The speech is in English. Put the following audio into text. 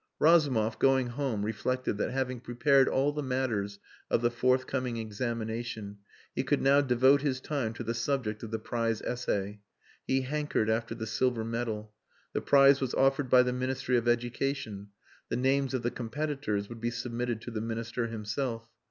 Razumov, going home, reflected that having prepared all the matters of the forthcoming examination, he could now devote his time to the subject of the prize essay. He hankered after the silver medal. The prize was offered by the Ministry of Education; the names of the competitors would be submitted to the Minister himself.